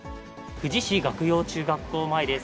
富士市、岳陽中学校前です。